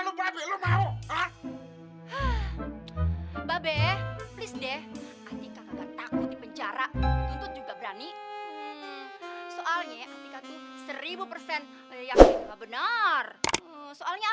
lagi ada aja urusan ya